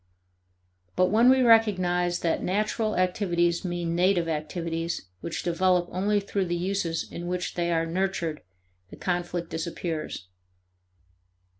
But when we recognize that natural activities mean native activities which develop only through the uses in which they are nurtured, the conflict disappears.